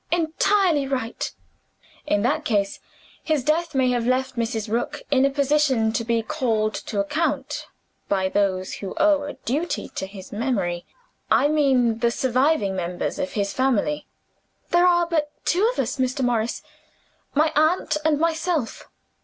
"Entirely right." "In that case, his death may have left Mrs. Rook in a position to be called to account, by those who owe a duty to his memory I mean the surviving members of his family." "There are but two of us, Mr. Morris. My aunt and myself."